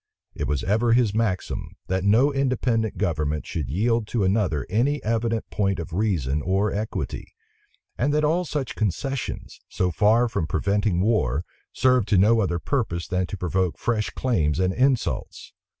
It was ever his maxim, that no independent government should yield to another any evident point of reason or equity; and that all such concessions, so far from preventing war, served to no other purpose than to provoke fresh claims and insults.